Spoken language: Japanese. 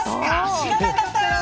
知らなかった。